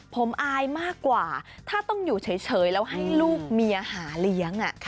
ผมอายมากกว่าถ้าต้องอยู่เฉยแล้วให้ลูกเมียหาเลี้ยง